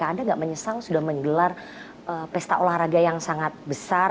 anda nggak menyesang sudah menggelar pesta olahraga yang sangat besar